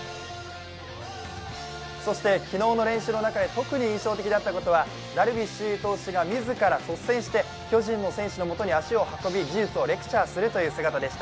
昨日の練習の中で特に印象的だったことはダルビッシュ有投手が自ら率先して、巨人の選手のもとに足を運び技術をレクチャーする姿でした。